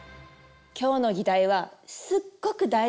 今日の議題はすっごく大事なのよ。